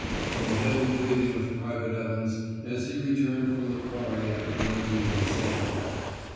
and the heavy breathing of Private Evans as he returned from the Quarry after emptying his sand bag.